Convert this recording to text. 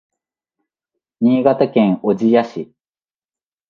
新潟県小千谷市